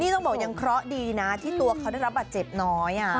ต้องบอกยังเคราะห์ดีนะที่ตัวเขาได้รับบัตรเจ็บน้อย